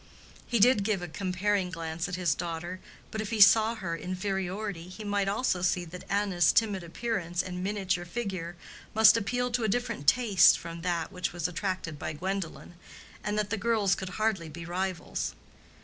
He did give a comparing glance at his daughter, but if he saw her inferiority, he might also see that Anna's timid appearance and miniature figure must appeal to a different taste from that which was attracted by Gwendolen, and that the girls could hardly be rivals.